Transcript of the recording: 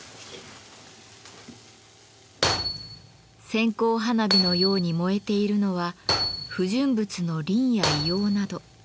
線香花火のように燃えているのは不純物のリンや硫黄など。